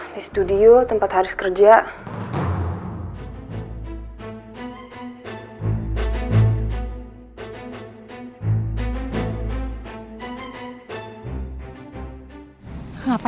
di studio tempat harus kerja